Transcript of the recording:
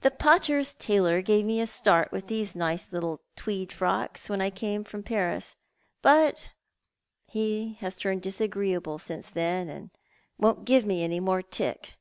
"The Pater's tailor gave me a start with those nice little tweed frocks, when I came from Paris, but he has turned dis agrcealile since then, and won't givo any more tick."